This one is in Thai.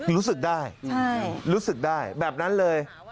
รู้สึกได้รู้สึกได้แบบนั้นเลย